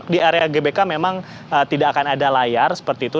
di area gbk memang tidak akan ada layar seperti itu